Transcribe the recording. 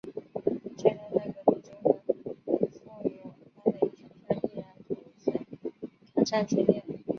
最终在革命军和宋永芳的影响下毅然投身抗战行列。